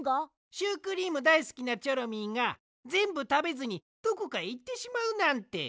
シュークリームだいすきなチョロミーがぜんぶたべずにどこかへいってしまうなんて。